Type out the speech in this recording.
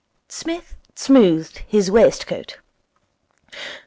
Psmith smoothed his waistcoat.